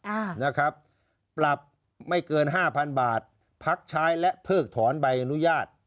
อ่านะครับปรับไม่เกินห้าพันบาทพักใช้และเพิกถอนใบอนุญาต